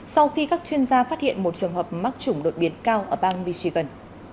sau khi các chuyên gia phát hiện một trường hợp mắc chủng đột biến cao ở bang michigan